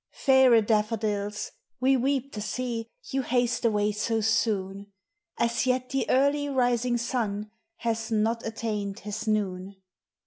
Faire da tfa dills, we weep to see You haste away so soone; As yet the early rising sun Has not attained his noone.